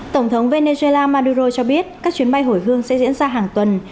tổng thống venezuela maduro cho biết các chuyến bay hồi hương sẽ diễn ra hàng tuần